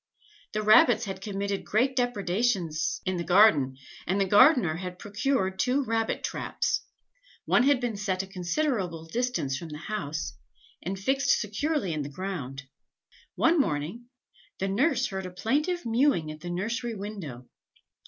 The rabbits had committed great depredations in the garden, and the gardener had procured two rabbit traps; one had been set a considerable distance from the house, and fixed securely in the ground. One morning, the nurse heard a plaintive mewing at the nursery window.